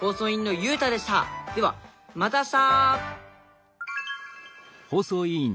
ではまた明日！